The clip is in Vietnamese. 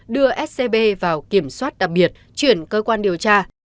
đưa scb vào kiểm soát đặc biệt chuyển cơ quan điều tra